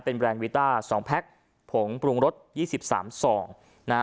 เป็นแบรนด์วีต้าสองแพ็กผงปรุงรถยี่สิบสามสองนะฮะ